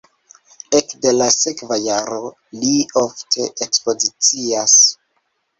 Ekde la sekva jaro li ofte ekspozicias.